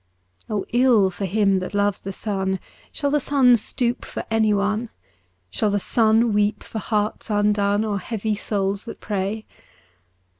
O ill for him that loves the sun ; Shall the sun stoop for anyone ? Shall the sun weep for hearts undone Or heavy souls that pray